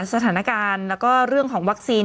สถานการณ์แล้วก็เรื่องของวัคซีน